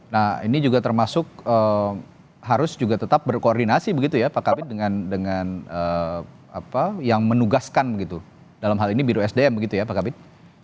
nah ini juga termasuk harus juga tetap berkoordinasi begitu ya pak kabit dengan apa yang menugaskan dalam hal ini biro sdm begitu ya pak kabit